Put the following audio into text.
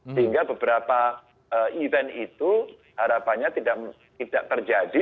sehingga beberapa event itu harapannya tidak terjadi